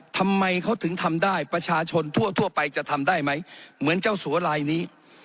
ทำไมเขาถึงทำได้ประชาชนทั่วไปจะทำได้ไหมเหมือนเจ้าสัวลายนี้